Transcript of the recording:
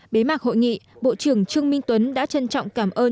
bế mạc hội nghị bộ trưởng trương minh tuấn đã trân trọng cảm ơn